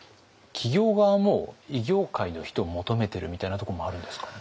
企業側も異業界の人を求めてるみたいなとこもあるんですか？